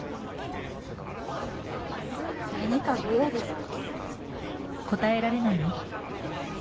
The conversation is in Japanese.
何かご用ですか？